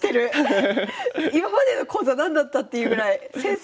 今までの講座何だったっていうぐらい先生